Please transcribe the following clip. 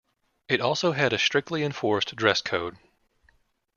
It also had a strictly enforced dress code.